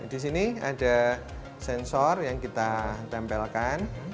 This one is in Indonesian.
disini ada sensor yang kita tempelkan